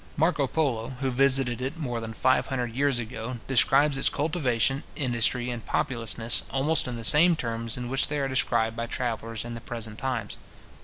Marco Polo, who visited it more than five hundred years ago, describes its cultivation, industry, and populousness, almost in the same terms in which they are described by travellers in the present times.